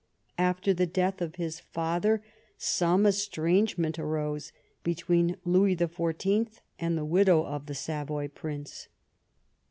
After the death of his father some estrangement arose between Louis the Fourteenth and the widow of the Savoy prince.